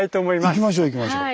行きましょう行きましょう。